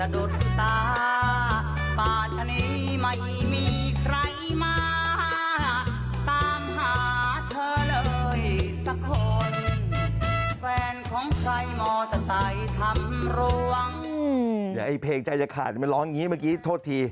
เดี๋ยวไอ้เพลงใจจะขาดมันร้องอย่างนี้เมื่อกี้โทษที